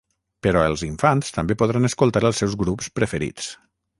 Però els infants també podran escoltar els seus grups preferits.